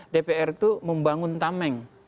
dpr itu membangun tameng